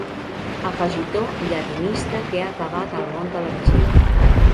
Afegitó llatinista que ha acabat al món televisiu.